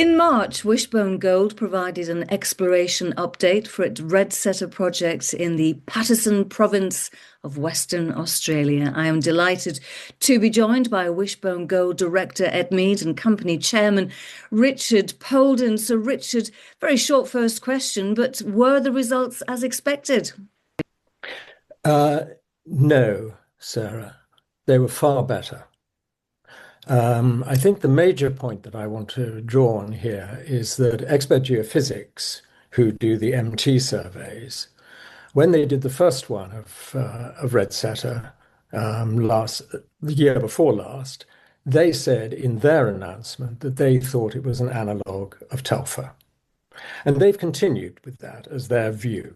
In March, Wishbone Gold provided an exploration update for its Red Setter projects in the Paterson Province of Western Australia. I am delighted to be joined by Wishbone Gold Director, Ed Mead, and Company Chairman, Richard Poulden. Richard, very short first question, but were the results as expected? No, Sarah. They were far better. I think the major point that I want to draw on here is that Expert Geophysics, who do the MT surveys, when they did the first one of Red Setter the year before last, they said in their announcement that they thought it was an analog of Telfer. They've continued with that as their view.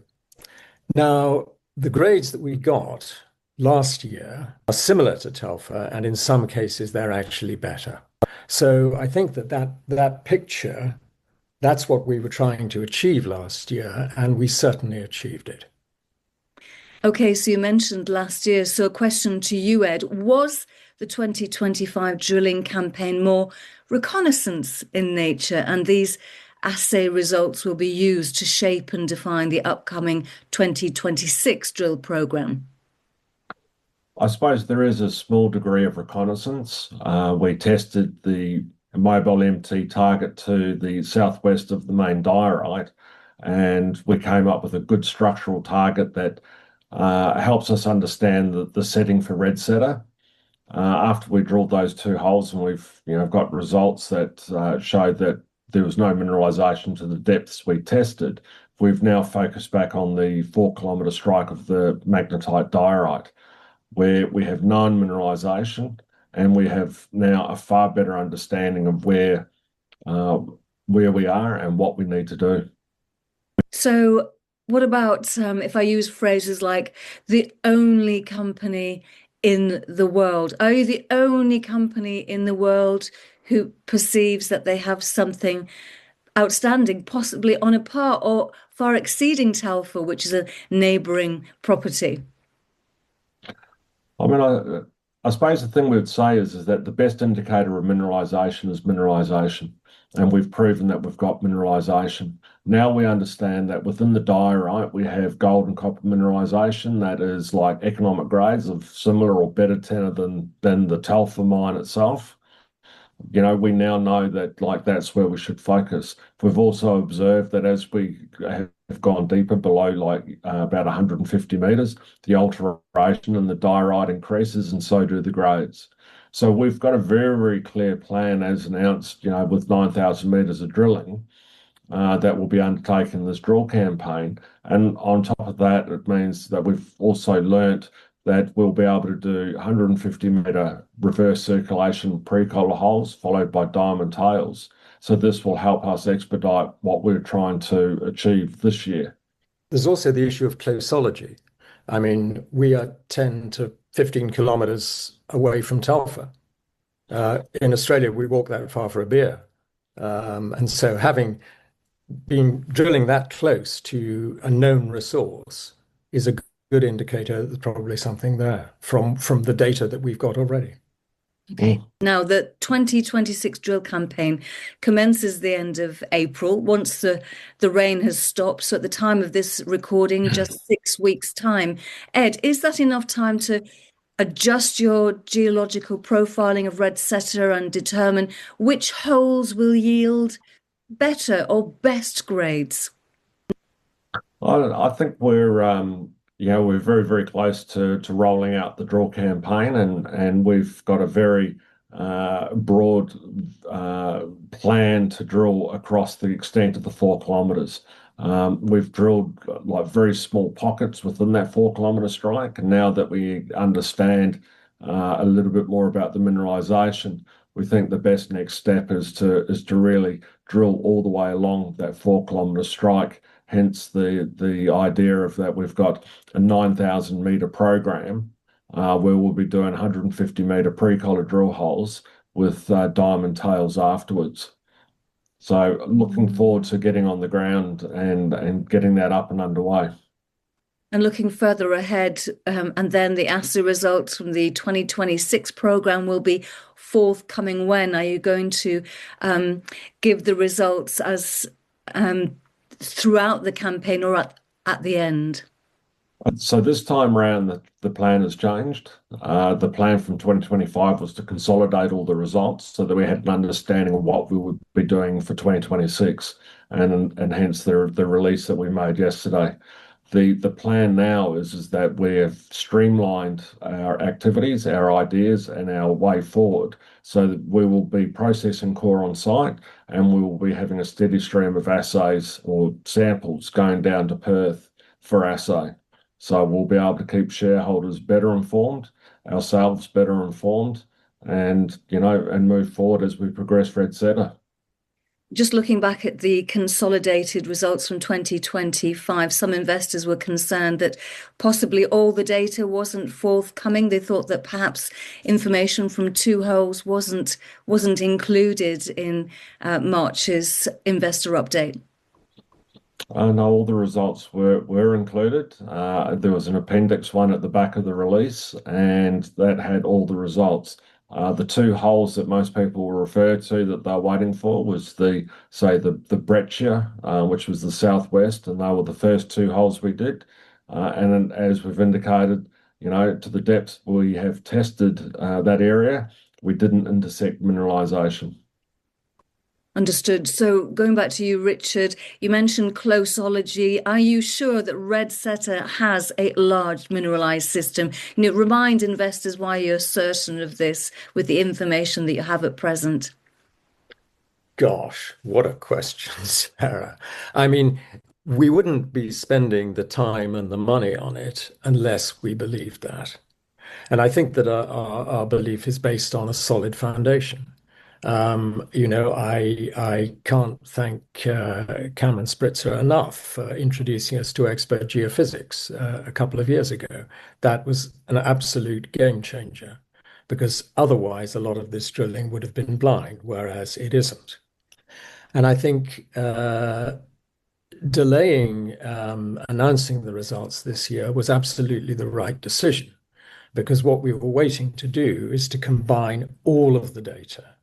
Now, the grades that we got last year are similar to Telfer, and in some cases, they're actually better. I think that picture, that's what we were trying to achieve last year, and we certainly achieved it. Okay. You mentioned last year. Question to you, Ed. Was the 2025 drilling campaign more reconnaissance in nature, and these assay results will be used to shape and define the upcoming 2026 drill program? I suppose there is a small degree of reconnaissance. We tested the MobileMT target to the southwest of the main diorite, and we came up with a good structural target that helps us understand the setting for Red Setter. After we drilled those two holes and we've got results that showed that there was no mineralization to the depths we tested, we've now focused back on the four-kilometer strike of the magnetite diorite, where we have non-mineralization and we have now a far better understanding of where we are and what we need to do. What about if I use phrases like the only company in the world? Are you the only company in the world who perceives that they have something outstanding, possibly on a par or far exceeding Telfer, which is a neighboring property? I suppose the thing we'd say is that the best indicator of mineralization is mineralization, and we've proven that we've got mineralization. Now we understand that within the diorite, we have gold and copper mineralization that is economic grades of similar or better tenor than the Telfer mine itself. We now know that's where we should focus. We've also observed that as we have gone deeper below about 150 meters, the alteration in the diorite increases and so do the grades. We've got a very clear plan as announced with 9,000 meters of drilling that will be undertaken in this drill campaign. And on top of that, it means that we've also learnt that we'll be able to do 150-meter reverse circulation pre-collar holes, followed by diamond tails. This will help us expedite what we're trying to achieve this year. There's also the issue of nearology. We are 10-15 km away from Telfer. In Australia, we walk that far for a beer. Having been drilling that close to a known resource is a good indicator there's probably something there from the data that we've got already. Okay. Now, the 2026 drill campaign commences at the end of April. Once the rain has stopped, so at the time of this recording, just six weeks' time. Ed, is that enough time to adjust your geological profiling of Red Setter and determine which holes will yield better or best grades? I think we're very close to rolling out the drill campaign, and we've got a very broad plan to drill across the extent of the four kilometers. We've drilled very small pockets within that four-kilometer strike, and now that we understand a little bit more about the mineralization, we think the best next step is to really drill all the way along that four-kilometer strike, hence the idea of that we've got a 9,000-meter program, where we'll be doing 150-meter pre-collar holes with diamond tails afterwards. Looking forward to getting on the ground and getting that up and underway. Looking further ahead, and then the assay results from the 2026 program will be forthcoming when? Are you going to give the results throughout the campaign or at the end? This time around, the plan has changed. The plan from 2025 was to consolidate all the results so that we had an understanding of what we would be doing for 2026, and hence the release that we made yesterday. The plan now is that we have streamlined our activities, our ideas, and our way forward so that we will be processing core on-site, and we will be having a steady stream of assays or samples going down to Perth for assay. We'll be able to keep shareholders better informed, ourselves better informed, and move forward as we progress Red Setter. Just looking back at the consolidated results from 2025, some investors were concerned that possibly all the data wasn't forthcoming. They thought that perhaps information from two holes wasn't included in March's investor update. I know all the results were included. There was an Appendix 1 at the back of the release, and that had all the results. The two holes that most people were referred to that they were waiting for was the, say, the Breccia, which was the southwest, and they were the first two holes we dug. As we've indicated, to the depths we have tested that area, we didn't intersect mineralization. Understood. Going back to you, Richard, you mentioned closeology. Are you sure that Red Setter has a large mineralized system? Remind investors why you're certain of this with the information that you have at present. Gosh, what a question, Sarah. We wouldn't be spending the time and the money on it unless we believed that. I think that our belief is based on a solid foundation. I can't thank Cameron Spritzer enough for introducing us to Expert Geophysics a couple of years ago. That was an absolute game changer, because otherwise, a lot of this drilling would've been blind, whereas it isn't. I think, delaying announcing the results this year was absolutely the right decision because what we were waiting to do is to combine all of the data.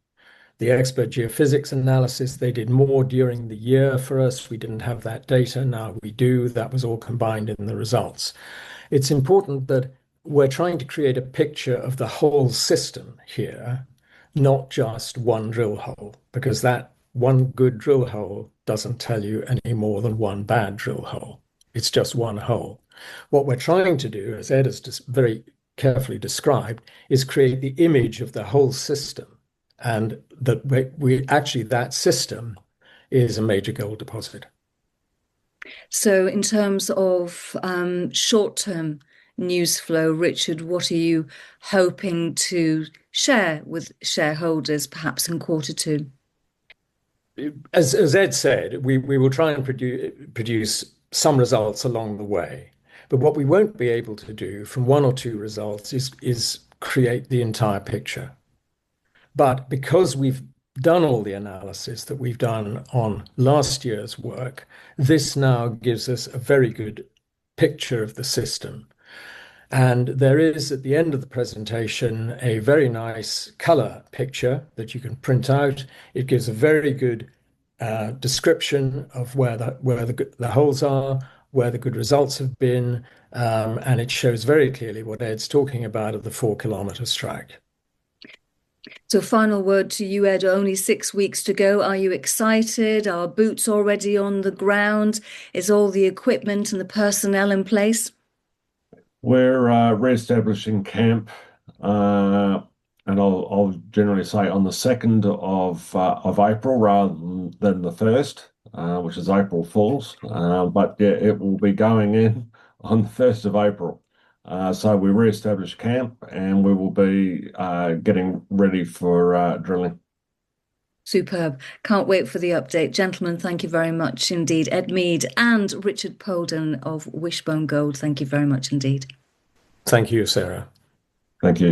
The Expert Geophysics analysis, they did more during the year for us. We didn't have that data. Now we do. That was all combined in the results. It's important that we're trying to create a picture of the whole system here, not just one drill hole, because that one good drill hole doesn't tell you any more than one bad drill hole. It's just one hole. What we're trying to do, as Ed has just very carefully described, is create the image of the whole system and that actually system is a major gold deposit. In terms of short-term news flow, Richard, what are you hoping to share with shareholders perhaps in quarter two? As Ed said, we will try and produce some results along the way. What we won't be able to do from one or two results is create the entire picture. Because we've done all the analysis that we've done on last year's work, this now gives us a very good picture of the system. There is, at the end of the presentation, a very nice color picture that you can print out. It gives a very good description of where the holes are, where the good results have been, and it shows very clearly what Ed's talking about of the four-kilometer strike. Final word to you, Ed. Only six weeks to go. Are you excited? Are boots already on the ground? Is all the equipment and the personnel in place? We're reestablishing camp, and I'll generally say on the second of April rather than the first, which is April Fool's. Yeah, it will be going in on the first of April. We reestablish camp, and we will be getting ready for drilling. Superb. Can't wait for the update. Gentlemen, thank you very much indeed. Ed Mead and Richard Poulden of Wishbone Gold, thank you very much indeed. Thank you, Sarah. Thank you.